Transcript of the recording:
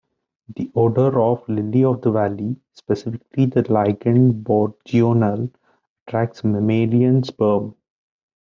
The odor of lily of the valley, specifically the ligand bourgeonal, attracts mammalian sperm.